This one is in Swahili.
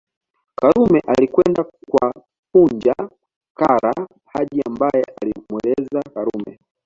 Karume alikwenda kwa Punja Kara Haji ambaye alimweleza Karume